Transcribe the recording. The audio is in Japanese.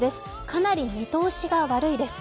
かなり見通しが悪いです。